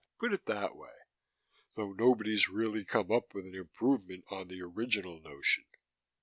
Put it that way. Though nobody's really come up with an improvement on the original notion."